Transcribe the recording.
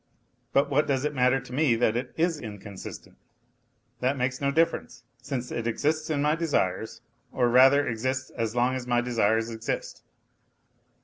But what does it matter to me that it is inconsistent ? That makes no difference since it exists in my desires, or rather exists as long as my desires exist.